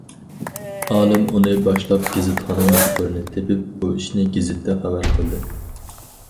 ئالىم ئۇنى باشلاپ گېزىتخانا مۇخبىرىنى تېپىپ، بۇ ئىشنى گېزىتتە خەۋەر قىلدى.